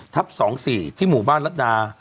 ๒๔ที่หมู่บ้านรัฐดา